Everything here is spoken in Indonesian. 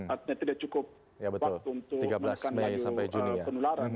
artinya tidak cukup waktu untuk menekan laju penularan